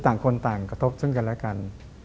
ต่างคนต่างกระทบซึ่งกันและกัน